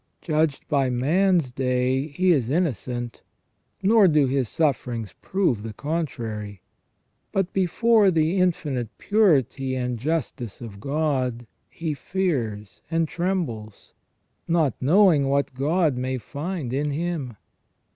Judged by man's day he is innocent ; nor do his sufferings prove the contrary. But before the infinite purity and justice of God, he fears and trembles, not knowing what God may find in him.